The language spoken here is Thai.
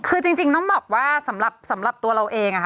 คือจริงต้องบอกว่าสำหรับตัวเราเอง